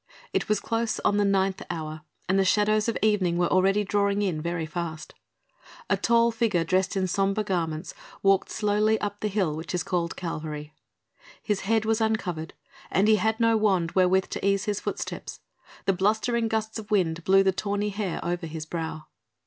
It was close on the ninth hour and the shadows of evening were already drawing in very fast. A tall figure dressed in sombre garments walked slowly up the hill which is called Calvary. His head was uncovered and he had no wand wherewith to ease his footsteps; the blustering gusts of wind blew the tawny hair over his brow.